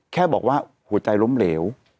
แค่บอกว่าหัวใจล้มเหลว